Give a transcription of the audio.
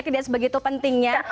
tidak sebegitu pentingnya